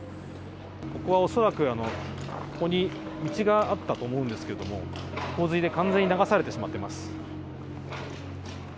ここは恐らく、ここに道があったと思うんですけれども、洪水で完全に流されてしまっています。